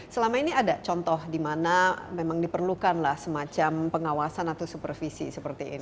selama ini ada contoh dimana memang diperlukan lah semacam pengawasan atau supervisi seperti ini